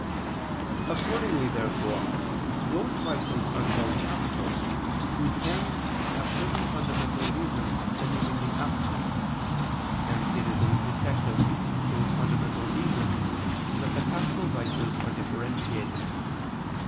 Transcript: Accordingly therefore, those vices are called capital, whose ends have certain fundamental reasons for moving the appetite; and it is in respect of these fundamental reasons that the capital vices are differentiated.